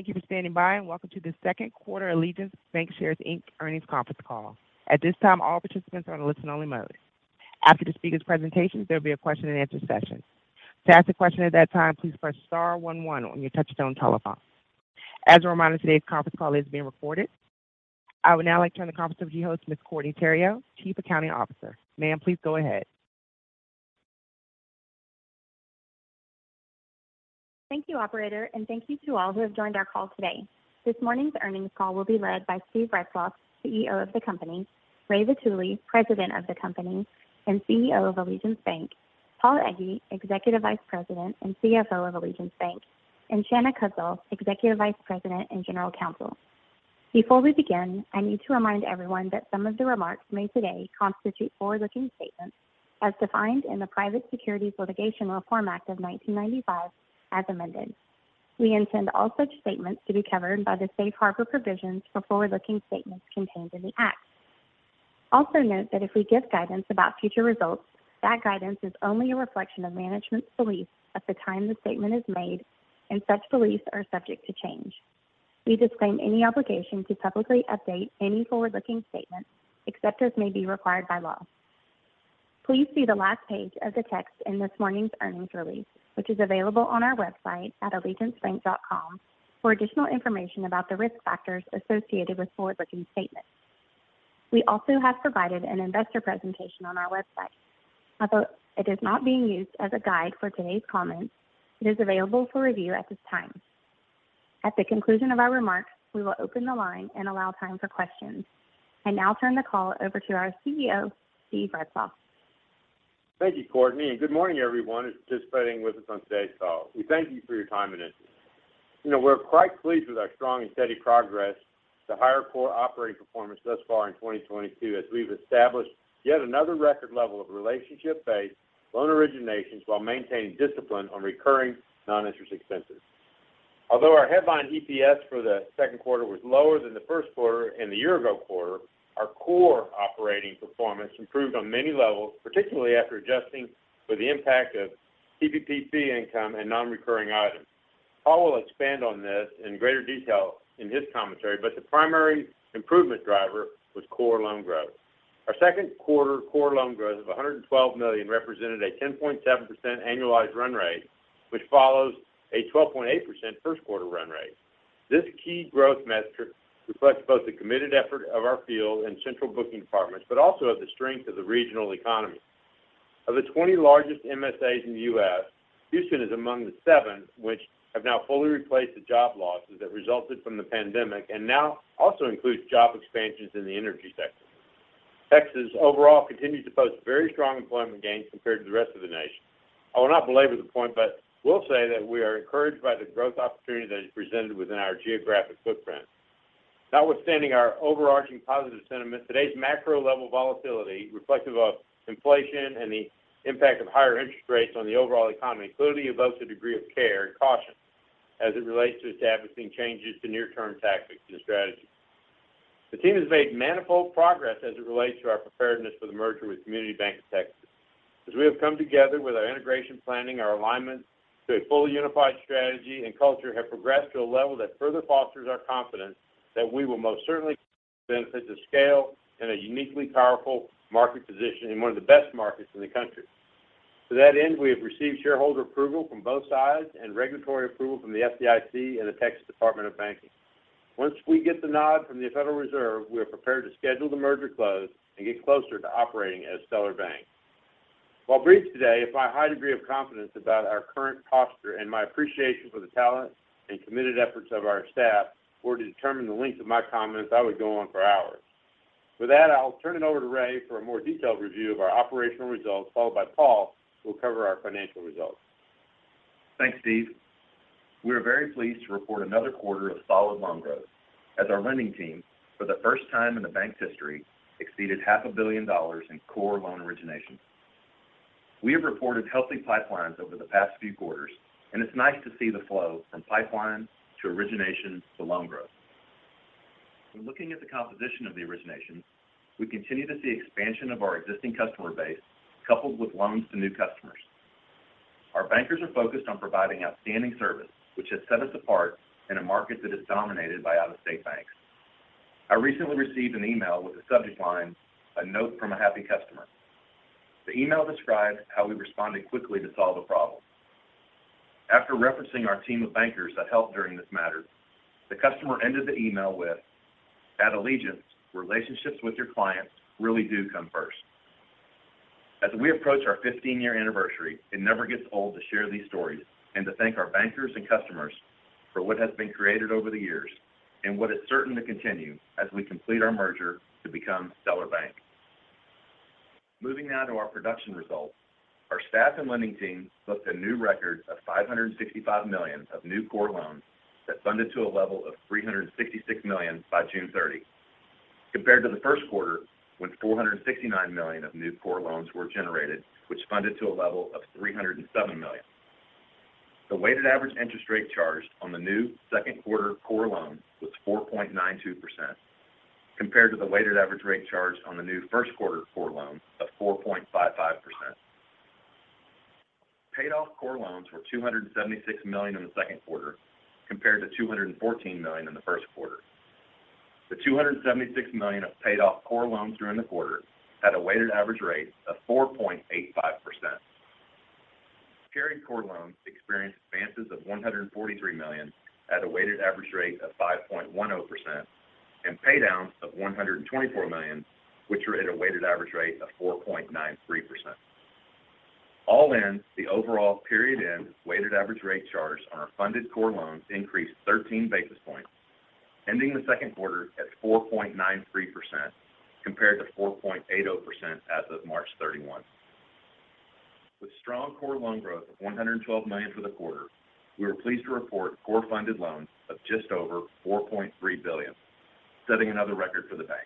Thank you for standing by, and Welcome to The Second Quarter Allegiance Bancshares, Inc. Earnings Conference Call. At this time, all participants are on a listen only mode. After the speaker's presentations, there'll be a question and answer session. To ask a question at that time, please press star one one on your touch-tone telephone. As a reminder, today's conference call is being recorded. I would now like to turn the conference over to your host, Courtney Theriot, Chief Accounting Officer. Ma'am, please go ahead. Thank you, operator, and thank you to all who have joined our call today. This morning's earnings call will be led by Steven Retzloff, CEO of the company, Ramon Vitulli, President of the company and CEO of Allegiance Bank, Paul Egge, Executive Vice President and CFO of Allegiance Bank, and Shanna Kuzdzal, Executive Vice President and General Counsel. Before we begin, I need to remind everyone that some of the remarks made today constitute forward-looking statements as defined in the Private Securities Litigation Reform Act of 1995 as amended. We intend all such statements to be covered by the safe harbor provisions for forward-looking statements contained in the act. Also note that if we give guidance about future results, that guidance is only a reflection of management's belief at the time the statement is made, and such beliefs are subject to change. We disclaim any obligation to publicly update any forward-looking statements except as may be required by law. Please see the last page of the text in this morning's earnings release, which is available on our website at allegiancebank.com for additional information about the risk factors associated with forward-looking statements. We also have provided an investor presentation on our website. Although it is not being used as a guide for today's comments, it is available for review at this time. At the conclusion of our remarks, we will open the line and allow time for questions. I now turn the call over to our CEO, Steven Retzloff. Thank you, Courtney, and good morning everyone who's participating with us on today's call. We thank you for your time and interest. You know, we're quite pleased with our strong and steady progress to higher core operating performance thus far in 2022, as we've established yet another record level of relationship-based loan originations while maintaining discipline on recurring non-interest expenses. Although our headline EPS for the second quarter was lower than the first quarter and the year ago quarter, our core operating performance improved on many levels, particularly after adjusting for the impact of PPP income and non-recurring items. Paul will expand on this in greater detail in his commentary, but the primary improvement driver was core loan growth. Our second quarter core loan growth of $112 million represented a 10.7% annualized run rate, which follows a 12.8% first quarter run rate. This key growth metric reflects both the committed effort of our field and central booking departments, but also of the strength of the regional economy. Of the 20 largest MSAs in the U.S., Houston is among the seven which have now fully replaced the job losses that resulted from the pandemic and now also includes job expansions in the energy sector. Texas overall continued to post very strong employment gains compared to the rest of the nation. I will not belabor the point, but will say that we are encouraged by the growth opportunity that is presented within our geographic footprint. Notwithstanding our overarching positive sentiment, today's macro level volatility reflective of inflation and the impact of higher interest rates on the overall economy, clearly evokes a degree of care and caution as it relates to establishing changes to near-term tactics and strategy. The team has made manifold progress as it relates to our preparedness for the merger with CommunityBank of Texas. As we have come together with our integration planning, our alignment to a fully unified strategy and culture have progressed to a level that further fosters our confidence that we will most certainly benefit the scale in a uniquely powerful market position in one of the best markets in the country. To that end, we have received shareholder approval from both sides and regulatory approval from the FDIC and the Texas Department of Banking. Once we get the nod from the Federal Reserve, we are prepared to schedule the merger close and get closer to operating as Stellar Bank. While brief today, if my high degree of confidence about our current posture and my appreciation for the talent and committed efforts of our staff were to determine the length of my comments, I would go on for hours. With that, I'll turn it over to Ray for a more detailed review of our operational results, followed by Paul, who will cover our financial results. Thanks, Steve. We are very pleased to report another quarter of solid loan growth as our lending team, for the first time in the bank's history, exceeded $500,000 million in core loan originations. We have reported healthy pipelines over the past few quarters, and it's nice to see the flow from pipeline to origination to loan growth. When looking at the composition of the originations, we continue to see expansion of our existing customer base coupled with loans to new customers. Our bankers are focused on providing outstanding service, which has set us apart in a market that is dominated by out-of-state banks. I recently received an email with the subject line, A Note from a Happy Customer. The email described how we responded quickly to solve a problem. After referencing our team of bankers that helped during this matter, the customer ended the email with, "At Allegiance, relationships with your clients really do come first." As we approach our 15-year anniversary, it never gets old to share these stories and to thank our bankers and customers for what has been created over the years and what is certain to continue as we complete our merger to become Stellar Bank. Moving now to our production results. Our staff and lending teams booked a new record of $565 million of new core loans that funded to a level of $366 million by June 30, compared to the first quarter, when $469 million of new core loans were generated, which funded to a level of $307 million. The weighted average interest rate charged on the new second quarter core loan was 4.92% compared to the weighted average rate charged on the new first quarter core loan of 4.55%. Paid off core loans were $276 million in the second quarter compared to $214 million in the first quarter. The $276 million of paid off core loans during the quarter had a weighted average rate of 4.85%. Carried core loans experienced advances of $143 million at a weighted average rate of 5.10% and pay downs of $124 million, which were at a weighted average rate of 4.93%. All in, the overall period end weighted average rate charged on our funded core loans increased 13 basis points, ending the second quarter at 4.93% compared to 4.80% as of March 31. With strong core loan growth of $112 million for the quarter, we were pleased to report core funded loans of just over $4.3 billion, setting another record for the bank.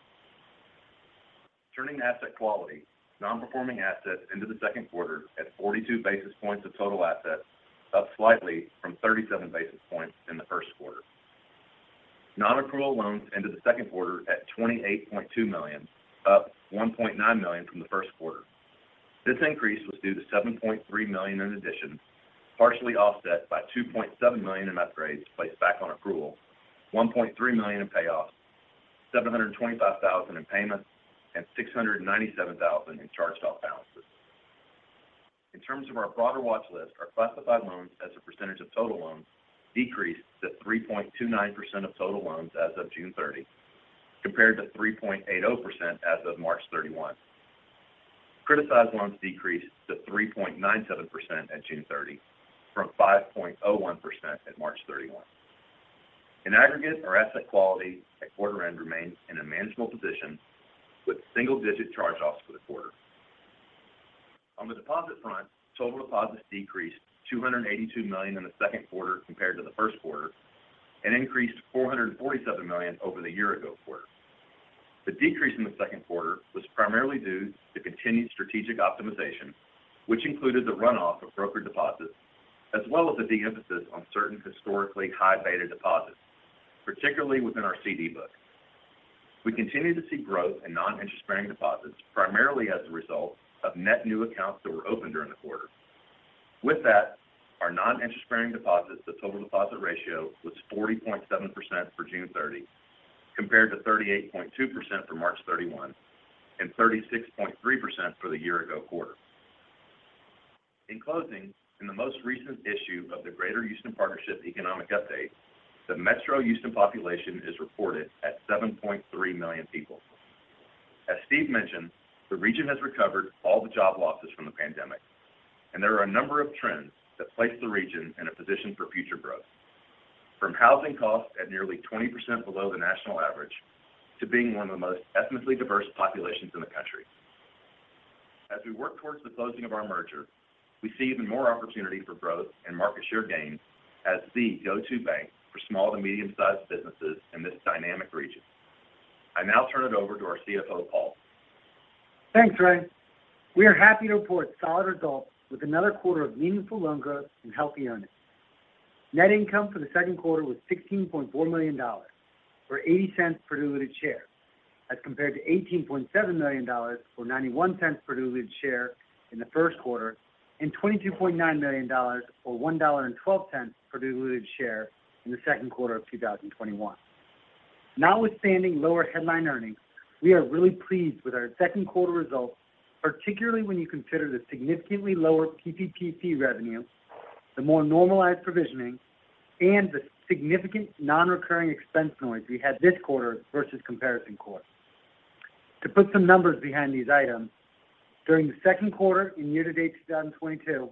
Turning to asset quality, non-performing assets in the second quarter at 42 basis points of total assets, up slightly from 37 basis points in the first quarter. Non-accrual loans in the second quarter at $28.2 million, up $1.9 million from the first quarter. This increase was due to $7.3 million in additions, partially offset by $2.7 million in upgrades placed back on approval, $1.3 million in payoffs, $725,000 in payments, and $697,000 in charged-off balances. In terms of our broader watch list, our classified loans as a % of total loans decreased to 3.29% of total loans as of June 30, compared to 3.80% as of March 31. Criticized loans decreased to 3.97% at June 30 from 5.01% at March 31. In aggregate, our asset quality at quarter end remains in a manageable position with single-digit charge-offs for the quarter. On the deposit front, total deposits decreased $282 million in the second quarter compared to the first quarter and increased $447 million over the year ago quarter. The decrease in the second quarter was primarily due to continued strategic optimization, which included the runoff of brokered deposits as well as the de-emphasis on certain historically high-beta deposits, particularly within our CD book. We continue to see growth in non-interest-bearing deposits primarily as a result of net new accounts that were opened during the quarter. With that, our non-interest-bearing deposits to total deposit ratio was 40.7% for June 30 compared to 38.2% for March 31 and 36.3% for the year ago quarter. In closing, in the most recent issue of the Greater Houston Partnership Economic Update, the Metro Houston population is reported at 7.3 million people. As Steve mentioned, the region has recovered all the job losses from the pandemic, and there are a number of trends that place the region in a position for future growth, from housing costs at nearly 20% below the national average to being one of the most ethnically diverse populations in the country. As we work towards the closing of our merger, we see even more opportunity for growth and market share gains as the go-to bank for small to medium-sized businesses in this dynamic region. I now turn it over to our CFO, Paul. Thanks, Ray. We are happy to report solid results with another quarter of meaningful loan growth and healthy earnings. Net income for the second quarter was $16.4 million, or $0.80 per diluted share, as compared to $18.7 million, or $0.91 per diluted share in the first quarter, and $22.9 million, or $1.12 per diluted share in the second quarter of 2021. Notwithstanding lower headline earnings, we are really pleased with our second quarter results, particularly when you consider the significantly lower PPP revenue, the more normalized provisioning, and the significant non-recurring expense noise we had this quarter vs comparison quarter. To put some numbers behind these items, during the second quarter and year-to-date 2022,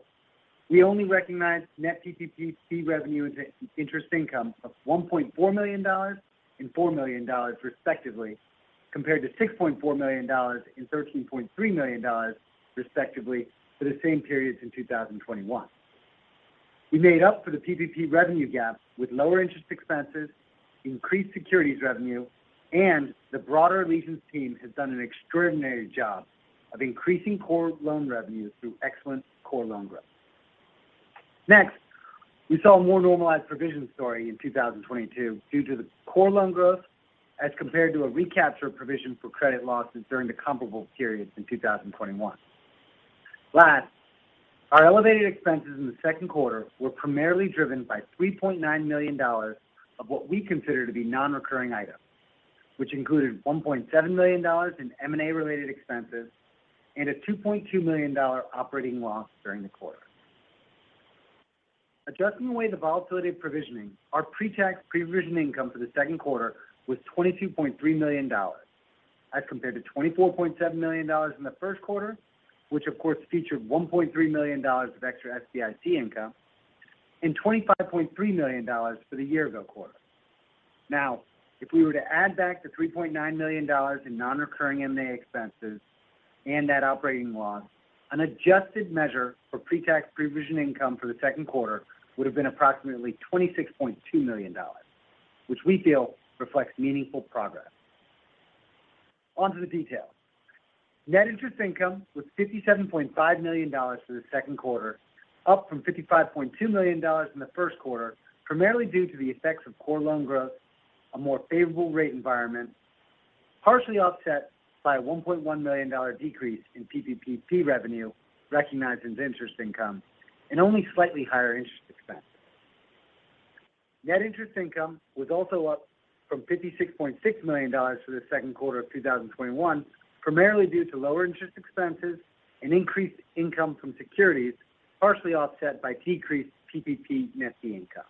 we only recognized net PPP revenue and interest income of $1.4 million and $4 million respectively, compared to $6.4 million and $13.3 million respectively for the same periods in 2021. We made up for the PPP revenue gap with lower interest expenses, increased securities revenue, and the broader Allegiance team has done an extraordinary job of increasing core loan revenue through excellent core loan growth. Next, we saw a more normalized provision story in 2022 due to the core loan growth as compared to a recapture of provision for credit losses during the comparable periods in 2021. Last, our elevated expenses in the second quarter were primarily driven by $3.9 million of what we consider to be non-recurring items, which included $1.7 million in M&A related expenses and a $2.2 million operating loss during the quarter. Adjusting away the volatility of provisioning, our pre-tax pre-provision income for the second quarter was $22.3 million, as compared to $24.7 million in the first quarter, which of course featured $1.3 million of extra SBIC income, and $25.3 million for the year-ago quarter. Now, if we were to add back the $3.9 million in non-recurring M&A expenses and that operating loss, an adjusted measure for pre-tax pre-provision income for the second quarter would have been approximately $26.2 million, which we feel reflects meaningful progress. On to the details. Net interest income was $57.5 million for the second quarter, up from $55.2 million in the first quarter, primarily due to the effects of core loan growth, a more favorable rate environment, partially offset by a $1.1 million decrease in PPP fee revenue recognized into interest income and only slightly higher interest expense. Net interest income was also up from $56.6 million for the second quarter of 2021, primarily due to lower interest expenses and increased income from securities, partially offset by decreased PPP net fee income.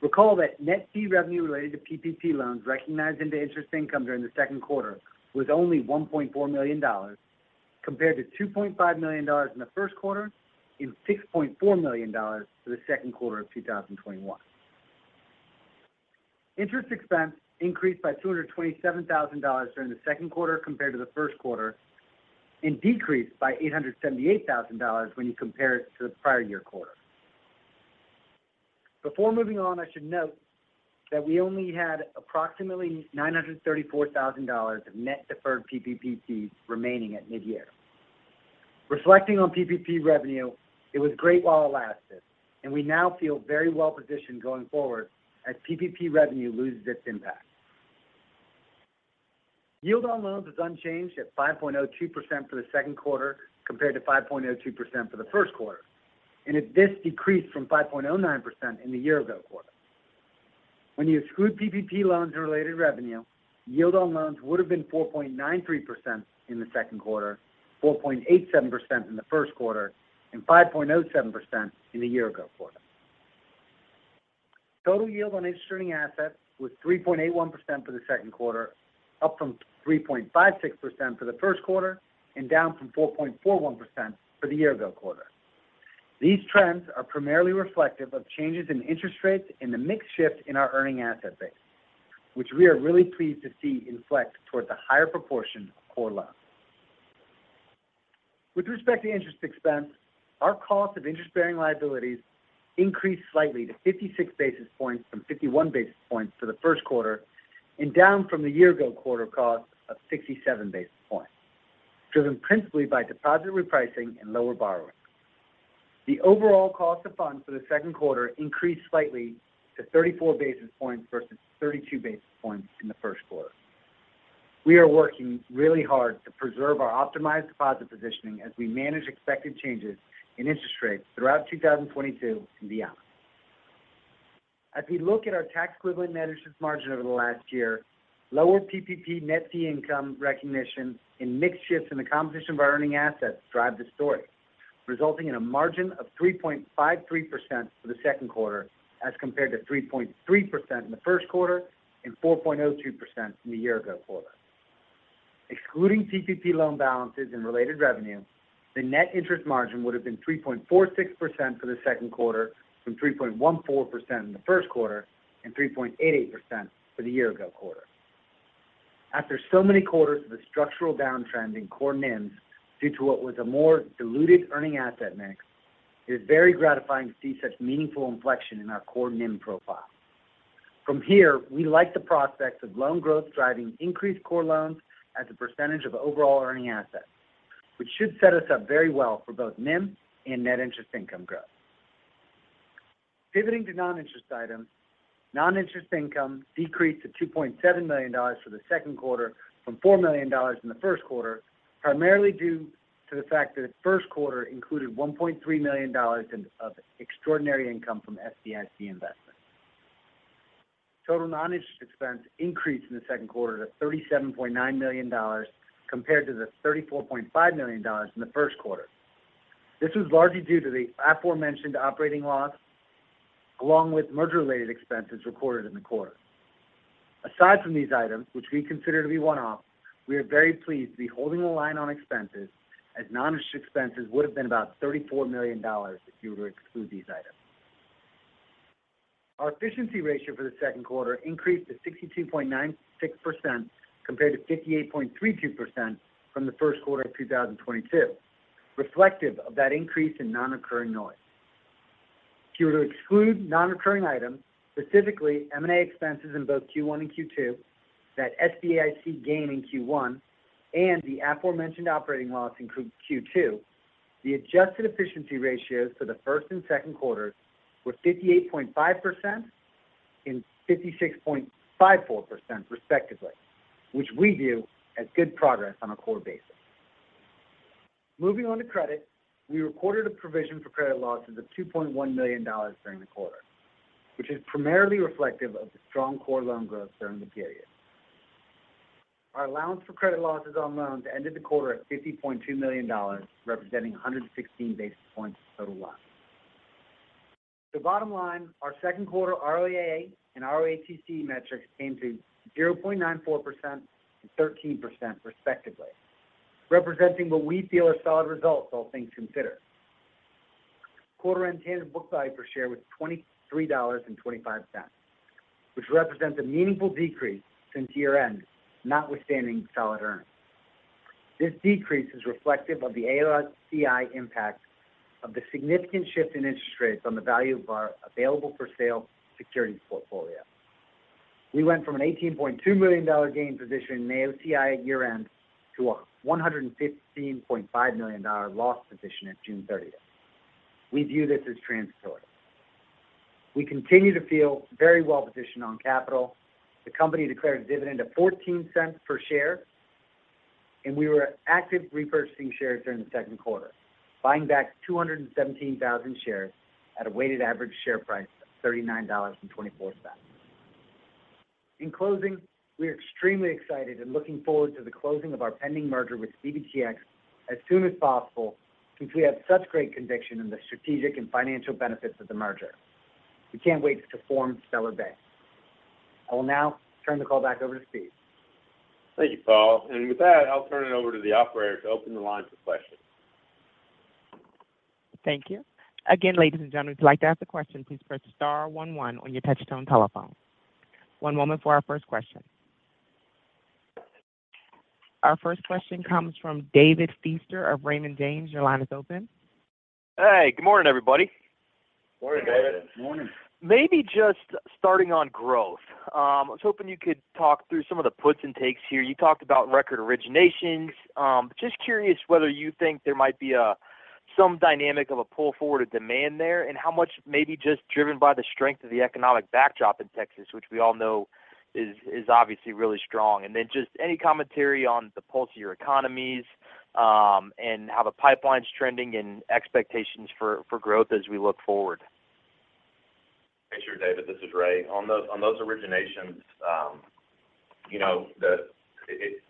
Recall that net fee revenue related to PPP loans recognized into interest income during the second quarter was only $1.4 million compared to $2.5 million in the first quarter and $6.4 million for the second quarter of 2021. Interest expense increased by $227,000 during the second quarter compared to the first quarter and decreased by $878,000 when you compare it to the prior year quarter. Before moving on, I should note that we only had approximately $934,000 of net deferred PPP fees remaining at mid-year. Reflecting on PPP revenue, it was great while it lasted, and we now feel very well positioned going forward as PPP revenue loses its impact. Yield on loans is unchanged at 5.02% for the second quarter compared to 5.02% for the first quarter. This decreased from 5.09% in the year ago quarter. When you exclude PPP loans and related revenue, yield on loans would have been 4.93% in the second quarter, 4.87% in the first quarter, and 5.07% in the year ago quarter. Total yield on interest earning assets was 3.81% for the second quarter, up from 3.56% for the first quarter and down from 4.41% for the year ago quarter. These trends are primarily reflective of changes in interest rates and the mix shift in our earning asset base, which we are really pleased to see inflect towards a higher proportion of core loans. With respect to interest expense, our cost of interest-bearing liabilities increased slightly to 56 basis points from 51 basis points for the first quarter and down from the year ago quarter cost of 67 basis points, driven principally by deposit repricing and lower borrowing. The overall cost of funds for the second quarter increased slightly to 34 basis points vs 32 basis points in the first quarter. We are working really hard to preserve our optimized deposit positioning as we manage expected changes in interest rates throughout 2022 and beyond. As we look at our tax equivalent net interest margin over the last year, lower PPP net fee income recognition and mix shifts in the composition of our earning assets drive the story, resulting in a margin of 3.53% for the second quarter as compared to 3.3% in the first quarter and 4.02% from the year-ago quarter. Excluding PPP loan balances and related revenue, the net interest margin would have been 3.46% for the second quarter from 3.14% in the first quarter and 3.88% for the year-ago quarter. After so many quarters of a structural downtrend in core NIMs due to what was a more diluted earning asset mix, it is very gratifying to see such meaningful inflection in our core NIM profile. From here, we like the prospects of loan growth driving increased core loans as a % of overall earning assets, which should set us up very well for both NIM and net interest income growth. Pivoting to non-interest items, non-interest income decreased to $2.7 million for the second quarter from $4 million in the first quarter, primarily due to the fact that the first quarter included $1.3 million of extraordinary income from SBIC investments. Total non-interest expense increased in the second quarter to $37.9 million compared to the $34.5 million in the first quarter. This was largely due to the aforementioned operating loss, along with merger-related expenses recorded in the quarter. Aside from these items, which we consider to be one-off, we are very pleased to be holding the line on expenses as non-interest expenses would have been about $34 million if you were to exclude these items. Our efficiency ratio for the second quarter increased to 62.96% compared to 58.32% from the first quarter of 2022, reflective of that increase in non-recurring noise. If you were to exclude non-recurring items, specifically M&A expenses in both Q1 and Q2, that SBIC gain in Q1, and the aforementioned operating loss included in Q2, the adjusted efficiency ratios for the first and second quarters were 58.5% and 56.54% respectively, which we view as good progress on a core basis. Moving on to credit, we recorded a provision for credit losses of $2.1 million during the quarter, which is primarily reflective of the strong core loan growth during the period. Our allowance for credit losses on loans ended the quarter at $50.2 million, representing 116 basis points of total loans. The bottom line, our second quarter ROAA and ROATC metrics came to 0.94% and 13% respectively, representing what we feel are solid results, all things considered. Quarter-end tangible book value per share was $23.25, which represents a meaningful decrease since year-end, notwithstanding solid earnings. This decrease is reflective of the AOCI impact of the significant shift in interest rates on the value of our available-for-sale securities portfolio. We went from an $18.2 million gain position in AOCI at year-end to a $115.5 million loss position at June 30. We view this as transitory. We continue to feel very well positioned on capital. The company declared a dividend of $0.14 per share, and we were actively repurchasing shares during the second quarter, buying back 217,000 shares at a weighted average share price of $39.24. In closing, we're extremely excited and looking forward to the closing of our pending merger with CBTX as soon as possible since we have such great conviction in the strategic and financial benefits of the merger. We can't wait to form Stellar Bank. I will now turn the call back over to Steve. Thank you, Paul. With that, I'll turn it over to the operator to open the lines for questions. Thank you. Again, ladies and gentlemen, if you'd like to ask a question, please press star one one on your touchtone telephone. One moment for our first question. Our first question comes from David Feaster of Raymond James. Your line is open. Hey, good morning, everybody. Morning, David. Morning. Maybe just starting on growth. I was hoping you could talk through some of the puts and takes here. You talked about record originations. Just curious whether you think there might be some dynamic of a pull-forward, a demand there, and how much may be just driven by the strength of the economic backdrop in Texas, which we all know is obviously really strong. Then just any commentary on the pulse of your economies, and how the pipeline's trending and expectations for growth as we look forward. Sure, David, this is Ray. On those originations, you know, it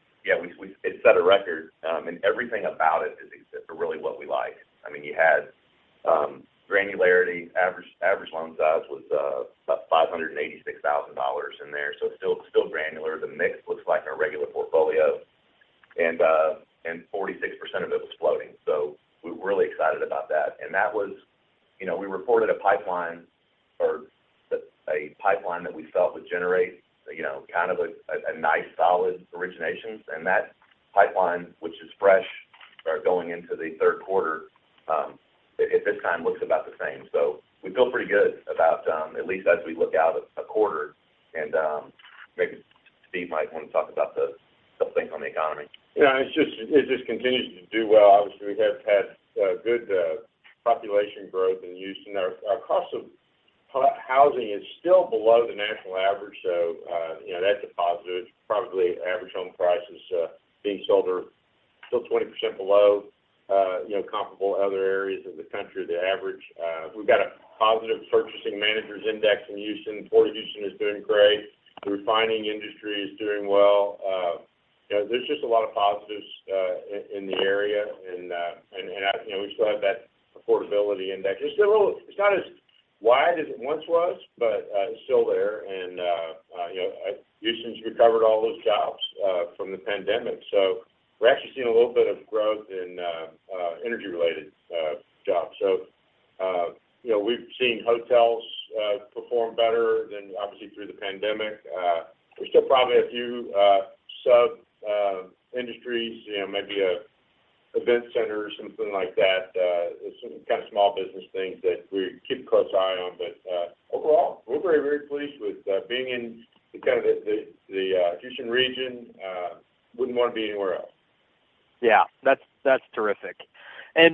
set a record, and everything about it is really what we like. I mean, you had granularity. Average loan size was about $586,000 in there, so still granular. The mix looks like our regular portfolio, and 46% of it was floating. We're really excited about that. That was, you know, we reported a pipeline that we felt would generate, you know, kind of a nice solid originations. That pipeline, which is fresh, are going into the third quarter at this time, looks about the same. We feel pretty good about at least as we look out a quarter. Maybe Steve might want to talk about some things on the economy. Yeah. It just continues to do well. Obviously, we have had good population growth in Houston. Our cost of housing is still below the national average, so you know, that's a positive. Probably average home prices being sold are still 20% below comparable other areas in the country, the average. We've got a positive Purchasing Managers Index in Houston. Port of Houston is doing great. The refining industry is doing well. You know, there's just a lot of positives in the area. You know, we still have that affordability index. It's still a little. It's not as wide as it once was, but it's still there. You know, Houston's recovered all those jobs from the pandemic. We're actually seeing a little bit of growth in energy-related jobs. You know, we've seen hotels perform better than obviously through the pandemic. There's still probably a few sub industries, you know, maybe event centers, something like that, some kind of small business things that we keep a close eye on. Overall, we're very, very pleased with being in kind of the Houston region. Wouldn't want to be anywhere else. Yeah. That's terrific.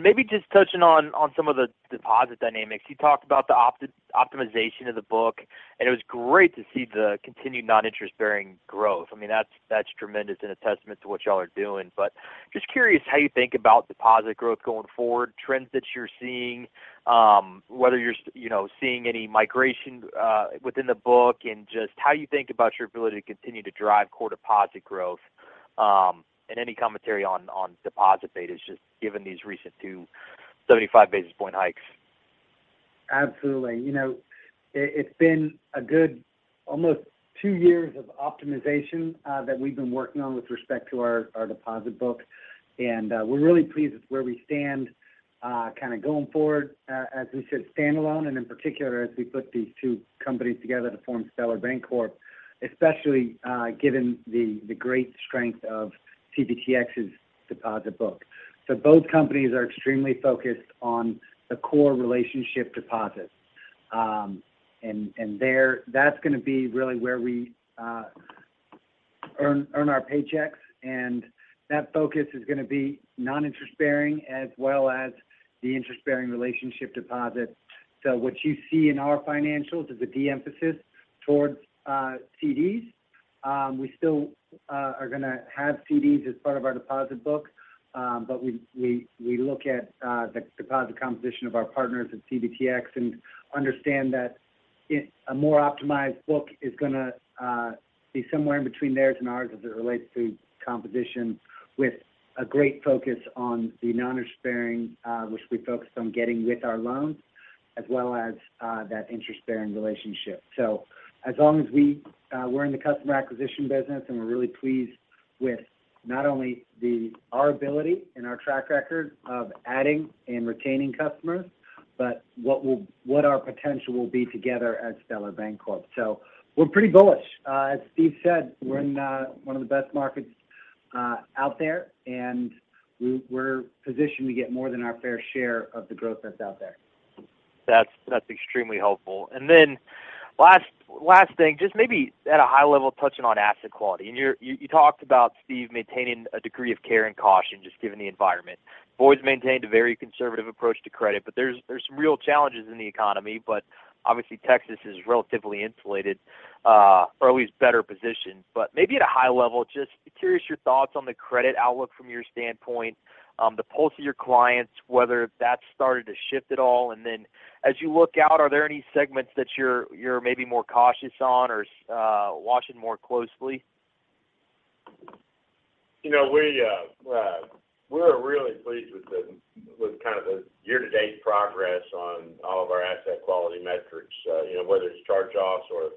Maybe just touching on some of the deposit dynamics. You talked about the optimization of the book, and it was great to see the continued non-interest-bearing growth. I mean, that's tremendous and a testament to what y'all are doing. Just curious how you think about deposit growth going forward, trends that you're seeing, whether you're seeing any migration within the book, and just how you think about your ability to continue to drive core deposit growth, and any commentary on deposit rates just given these recent 275 basis point hikes. Absolutely. You know, it's been a good almost two years of optimization that we've been working on with respect to our deposit book. We're really pleased with where we stand kind of going forward, as we should stand alone, and in particular, as we put these two companies together to form Stellar Bancorp, especially given the great strength of CBTX's deposit book. Both companies are extremely focused on the core relationship deposits. And there, that's gonna be really where we earn our paychecks. And that focus is gonna be non-interest-bearing as well as the interest-bearing relationship deposits. What you see in our financials is a de-emphasis towards CDs. We still are gonna have CDs as part of our deposit book. We look at the deposit composition of our partners at CBTX and understand that a more optimized book is gonna be somewhere in between theirs and ours as it relates to composition, with a great focus on the non-interest-bearing, which we focused on getting with our loans, as well as that interest-bearing relationship. As long as we're in the customer acquisition business, and we're really pleased with not only our ability and our track record of adding and retaining customers, but what our potential will be together at Stellar Bancorp. We're pretty bullish. As Steve said, we're in one of the best markets out there, and we're positioned to get more than our fair share of the growth that's out there. That's extremely helpful. Last thing, just maybe at a high level touching on asset quality. You talked about, Steve, maintaining a degree of care and caution just given the environment. Boyd's maintained a very conservative approach to credit, but there's some real challenges in the economy, but obviously Texas is relatively insulated, or at least better positioned. Maybe at a high level, just curious your thoughts on the credit outlook from your standpoint, the pulse of your clients, whether that's started to shift at all. As you look out, are there any segments that you're maybe more cautious on or watching more closely? You know, we're really pleased with the, with kind of the year to date progress on all of our asset quality metrics. You know, whether it's charge-offs or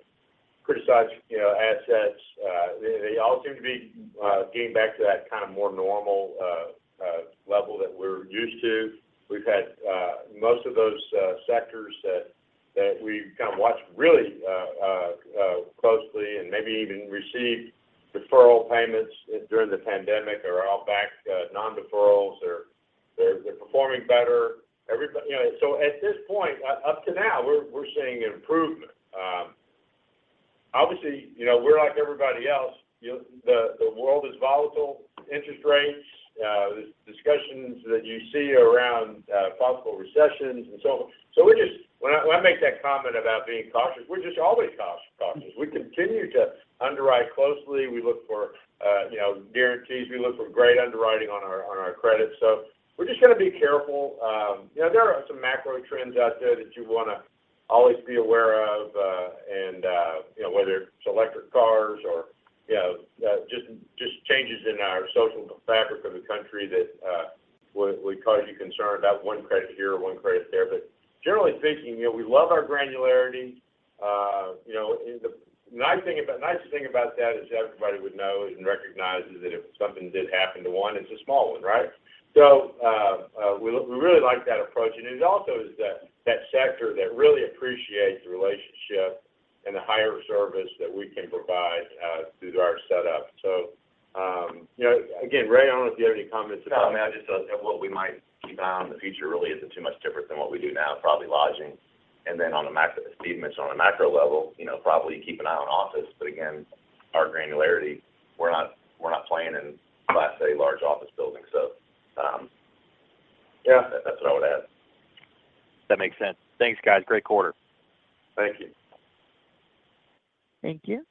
criticized, you know, assets, they all seem to be getting back to that kind of more normal level that we're used to. We've had most of those sectors that we've kind of watched really closely and maybe even received deferral payments during the pandemic are all back non-deferrals or they're performing better. Everybody. You know, so at this point, up to now, we're seeing improvement. Obviously, you know, we're like everybody else. You know, the world is volatile, interest rates, there's discussions that you see around possible recessions and so on. When I make that comment about being cautious, we're just always cautious. We continue to underwrite closely. We look for guarantees. We look for great underwriting on our credits. We're just gonna be careful. There are some macro trends out there that you wanna always be aware of, and whether it's electric cars or just changes in our social fabric of the country that would cause you concern about one credit here or one credit there. But generally speaking, we love our granularity. And the nice thing about that is everybody would know and recognize is that if something did happen to one, it's a small one, right? We really like that approach. It also is that sector that really appreciates the relationship and the higher service that we can provide through our setup. You know, again, Ray, I don't know if you have any comments about that. No. I mean, just what we might keep an eye on in the future really isn't too much different than what we do now, probably lodging. As Steve mentioned, on a macro level, you know, probably keep an eye on office. Again, our granularity, we're not playing in class A large office buildings. Yeah, that's what I would add. That makes sense. Thanks, guys. Great quarter. Thank you. Thank you.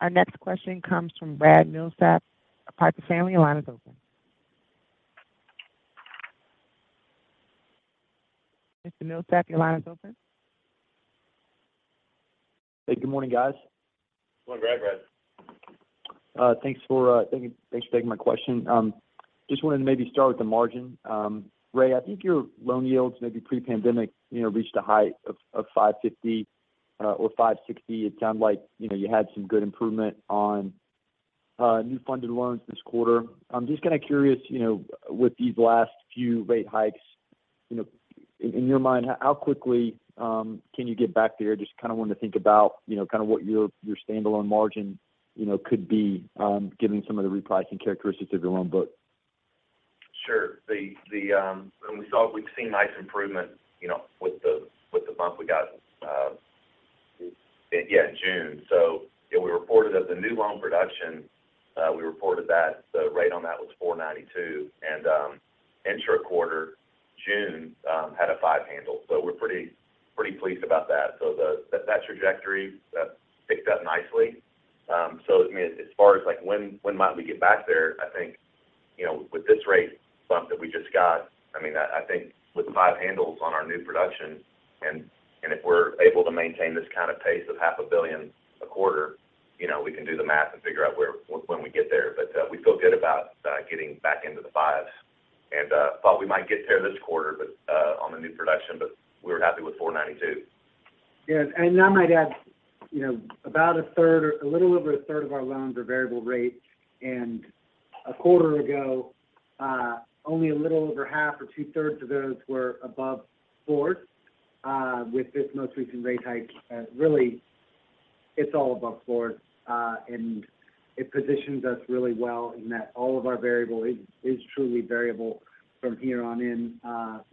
Our next question comes from Brad Milsaps of Piper Sandler. Your line is open. Mr. Milsaps, your line is open. Hey, good morning, guys. Good morning, Brad. Good morning, Brad. Thanks for taking my question. Just wanted to maybe start with the margin. Ray, I think your loan yields maybe pre-pandemic, you know, reached a height of 5.50% or 5.60%. It sounded like, you know, you had some good improvement on new funded loans this quarter. I'm just kind of curious, you know, with these last few rate hikes, you know, in your mind, how quickly can you get back there? Just kind of wanted to think about, you know, kind of what your standalone margin, you know, could be, given some of the repricing characteristics of your loan book. Sure. We've seen nice improvement, you know, with the bump we got in June. We reported that the new loan production rate on that was 4.92%, and into the quarter, June had a five handle. We're pretty pleased about that. That trajectory has picked up nicely. I mean, as far as like when we might get back there, I think, you know, with this rate bump that we just got, I mean, I think with the five handles on our new production and if we're able to maintain this kind of pace of $500,000 million a quarter, you know, we can do the math and figure out when we get there. We feel good about getting back into the fives. Thought we might get there this quarter, but on the new production, we were happy with 4.92%. Yes. I might add, you know, about a third or a little over a third of our loans are variable rates. A quarter ago, only a little over 1/2 or 2/3 of those were above four. With this most recent rate hike, really it's all above four. It positions us really well in that all of our variable is truly variable from here on in,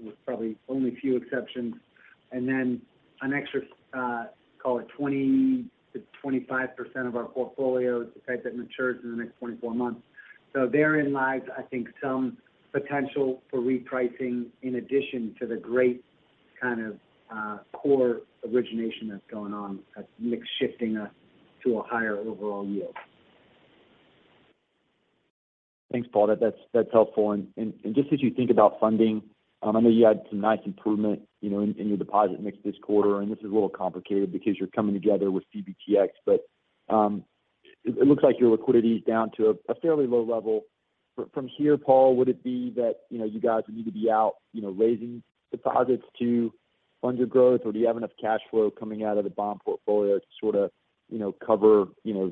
with probably only a few exceptions. An extra, call it 20%-25% of our portfolio is the type that matures in the next 24 months. Therein lies, I think, some potential for repricing in addition to the great kind of core origination that's going on that's mix shifting us to a higher overall yield. Thanks, Paul. That's helpful. Just as you think about funding, I know you had some nice improvement, you know, in your deposit mix this quarter, and this is a little complicated because you're coming together with CBTX, but it looks like your liquidity is down to a fairly low level. From here, Paul, would it be that, you know, you guys would need to be out, you know, raising deposits to fund your growth, or do you have enough cash flow coming out of the bond portfolio to sort of, you know, cover your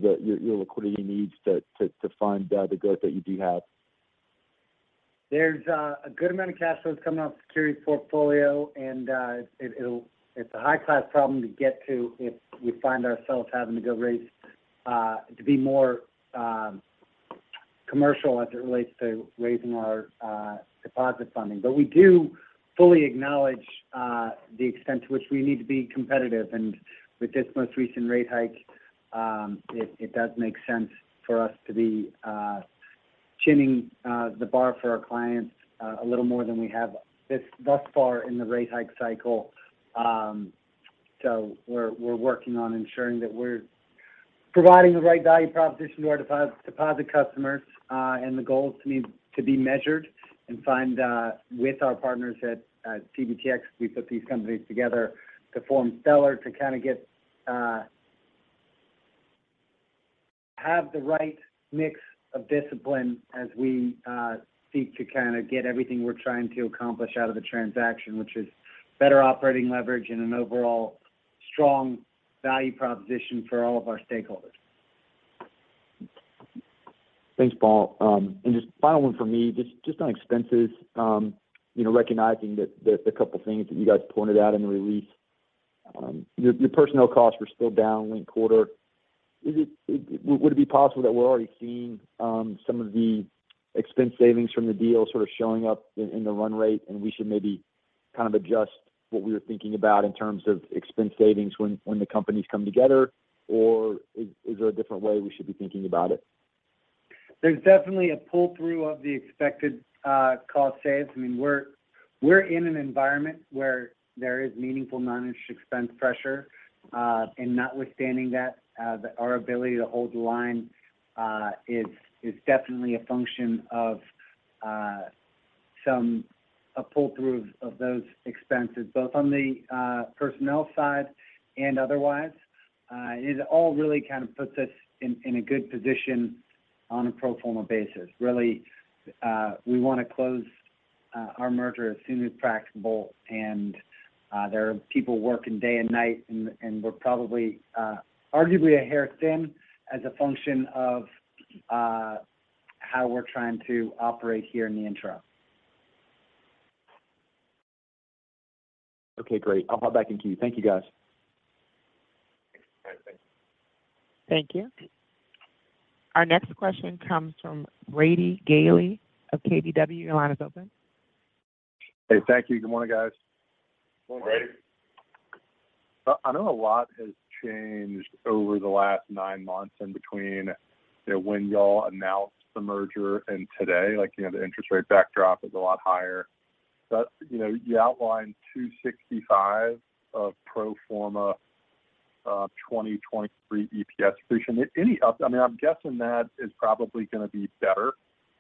liquidity needs to fund the growth that you do have? There's a good amount of cash flow that's coming off the securities portfolio and it's a high-class problem to get to if we find ourselves having to go raise to be more commercial as it relates to raising our deposit funding. But we do fully acknowledge the extent to which we need to be competitive. With this most recent rate hike, it does make sense for us to be raising the bar for our clients a little more than we have thus far in the rate hike cycle. We're working on ensuring that we're providing the right value proposition to our deposit customers, and the goal is to be measured and firm with our partners at CBTX. We put these companies together to form Stellar to kind of have the right mix of discipline as we seek to kind of get everything we're trying to accomplish out of the transaction, which is better operating leverage and an overall strong value proposition for all of our stakeholders. Thanks, Paul. Just final one for me, just on expenses. You know, recognizing that the couple of things that you guys pointed out in the release. Your personnel costs were still down linked quarter. Would it be possible that we're already seeing some of the expense savings from the deal sort of showing up in the run rate, and we should maybe kind of adjust what we were thinking about in terms of expense savings when the companies come together? Or is there a different way we should be thinking about it? There's definitely a pull-through of the expected cost saves. I mean, we're in an environment where there is meaningful non-interest expense pressure. Notwithstanding that, our ability to hold the line is definitely a function of a pull-through of those expenses, both on the personnel side and otherwise. It all really kind of puts us in a good position on a pro forma basis. Really, we want to close our merger as soon as practicable. There are people working day and night, and we're probably arguably a hair thin as a function of how we're trying to operate here in the interim. Okay, great. I'll hop back in queue. Thank you, guys. All right. Thanks. Thank you. Our next question comes from Brady Gailey of KBW. Your line is open. Hey, thank you. Good morning, guys. Good morning. Brady. I know a lot has changed over the last nine months in between, you know, when y'all announced the merger and today. Like, you know, the interest rate backdrop is a lot higher. You know, you outlined $2.65 of pro forma 2023 EPS. I mean, I'm guessing that is probably gonna be better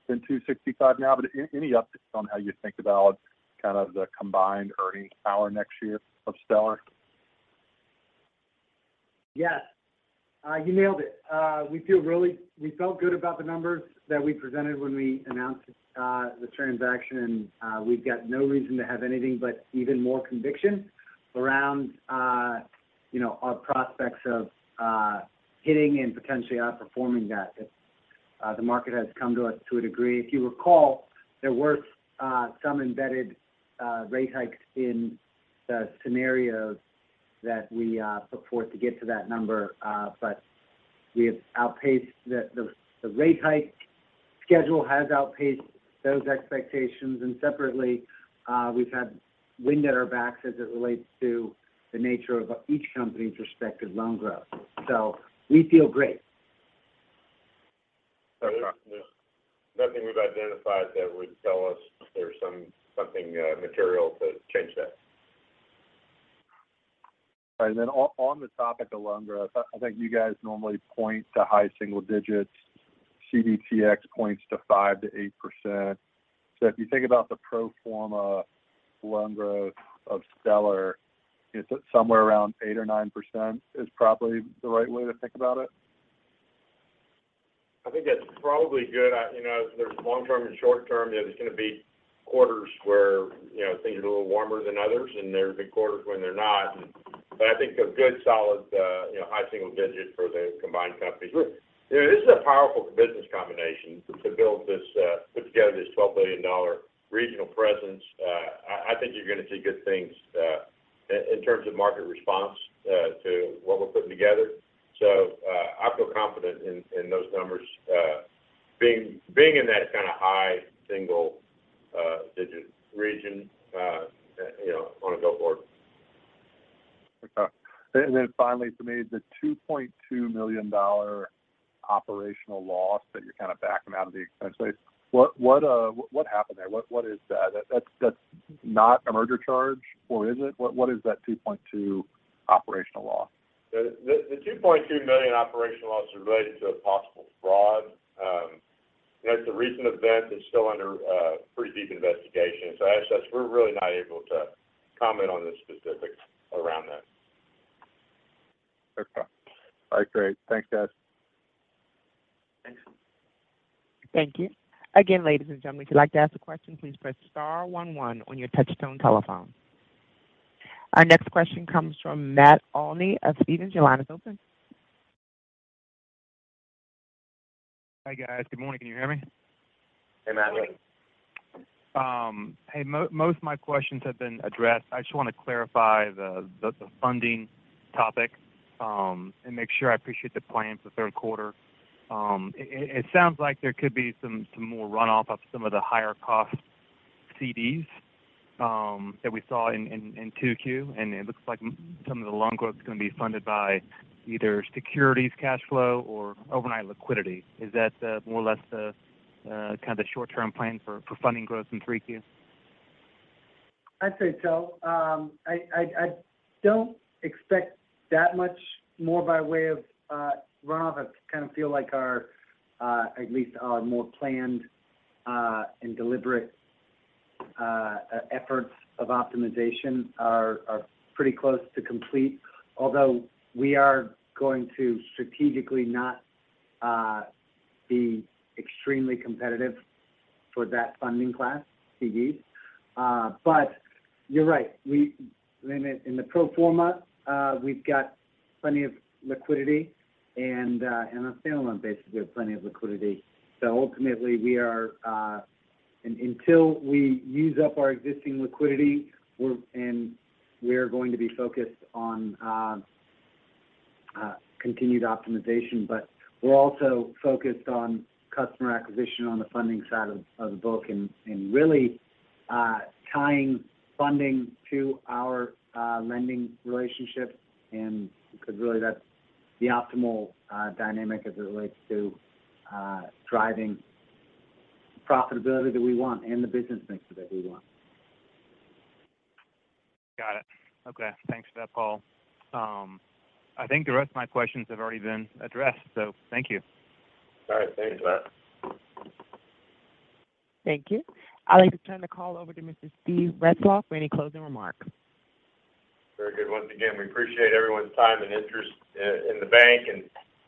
than $2.65 now. Any updates on how you think about kind of the combined earnings power next year of Stellar? Yes. You nailed it. We felt good about the numbers that we presented when we announced the transaction. We've got no reason to have anything but even more conviction around you know, our prospects of hitting and potentially outperforming that. If the market has come to us to a degree. If you recall, there were some embedded rate hikes in the scenarios that we put forth to get to that number. The rate hike schedule has outpaced those expectations. Separately, we've had wind at our backs as it relates to the nature of each company's respective loan growth. We feel great. Fair enough. Nothing we've identified that would tell us there's something material to change that. All right. On the topic of loan growth, I think you guys normally point to high single digits. CBTX points to 5%-8%. If you think about the pro forma loan growth of Stellar, is it somewhere around 8% or 9% is probably the right way to think about it? I think that's probably good. You know, there's long term and short term. You know, there's going to be quarters where, you know, things are a little warmer than others and there's big quarters when they're not. I think a good solid, you know, high single digit for the combined company. This is a powerful business combination to put together this $12 billion regional presence. I think you're going to see good things, in terms of market response, to what we're putting together. I feel confident in those numbers, being in that kind of high single digit region, you know, on a go forward. Okay. Finally, to me, the $2.2 million operational loss that you're kind of backing out of the expense base, what happened there? What is that? That's not a merger charge, or is it? What is that $2.2 million operational loss? The $2.2 million operational loss is related to a possible fraud. That's a recent event that's still under pretty deep investigation. Actually, that's. We're really not able to comment on the specifics around that. Okay. All right, great. Thanks, guys. Thanks. Thank you. Again, ladies and gentlemen, if you'd like to ask a question, please press star one one on your touch tone telephone. Our next question comes from Matt Olney of Stephens. Your line is open. Hi, guys. Good morning. Can you hear me? Hey, Matt. Hey, most of my questions have been addressed. I just wanna clarify the funding topic, and make sure I appreciate the plans for third quarter. It sounds like there could be some more runoff of some of the higher cost CDs that we saw in 2Q. It looks like some of the loan growth is gonna be funded by either securities cash flow or overnight liquidity. Is that more or less the kind of short-term plan for funding growth in 3Q? I'd say so. I don't expect that much more by way of runoff. I kind of feel like at least our more planned and deliberate efforts of optimization are pretty close to complete. Although we are going to strategically not be extremely competitive for that funding class, CDs. You're right. In the pro forma, we've got plenty of liquidity and on a standalone basis, we have plenty of liquidity. Ultimately, until we use up our existing liquidity, we're going to be focused on continued optimization. We're also focused on customer acquisition on the funding side of the book and really tying funding to our lending relationships. Because really that's the optimal dynamic as it relates to driving profitability that we want and the business mix that we want. Got it. Okay. Thanks for that, Paul. I think the rest of my questions have already been addressed, so thank you. All right. Thanks, Matt. Thank you. I'd like to turn the call over to Mr. Steven Retzloff for any closing remarks. Very good. Once again, we appreciate everyone's time and interest in the bank.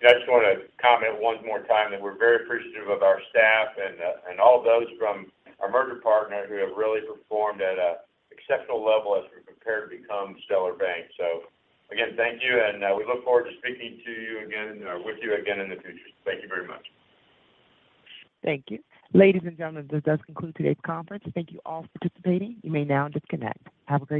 Just wanna comment one more time that we're very appreciative of our staff and all those from our merger partner who have really performed at an exceptional level as we prepare to become Stellar Bank. Again, thank you, and we look forward to speaking to you again or with you again in the future. Thank you very much. Thank you. Ladies and gentlemen, this does conclude today's conference. Thank you all for participating. You may now disconnect. Have a great day.